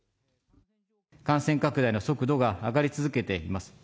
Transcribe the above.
感染拡大の速度が上がり続けています。